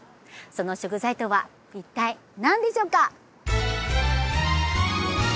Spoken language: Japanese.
その食材とは一体何でしょうか？